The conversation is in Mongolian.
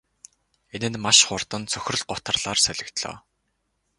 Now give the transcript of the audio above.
Энэ нь маш хурдан цөхрөл гутралаар солигдлоо.